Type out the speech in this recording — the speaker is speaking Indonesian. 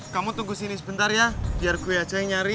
kamu tunggu sini sebentar ya biar gue aja yang nyari